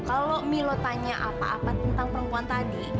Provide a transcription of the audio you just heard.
kalau milo tanya apa apa tentang perempuan tadi